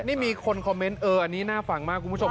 นี่มีคนคอมเมนต์เอออันนี้น่าฟังมากคุณผู้ชม